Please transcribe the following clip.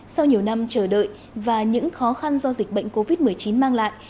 sau nhiều năm chờ đợi và những khó khăn do dịch bệnh covid một mươi chín mang lại